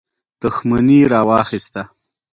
دښمني راواخیسته.